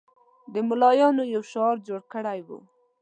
ملایانو یو شعار جوړ کړی وو.